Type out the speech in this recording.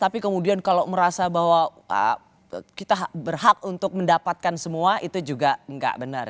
tapi kemudian kalau merasa bahwa kita berhak untuk mendapatkan semua itu juga nggak benar